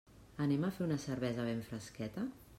Anem a fer una cervesa ben fresqueta?